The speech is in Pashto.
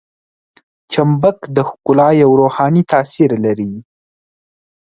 چمبک د ښکلا یو روحاني تاثیر لري.